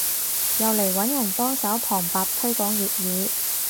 又嚟揾人幫手旁白推廣粵語